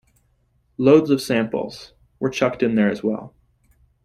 Loads of samples... were chucked in there as well.